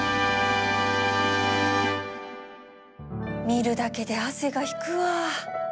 見るだけで汗が引くわ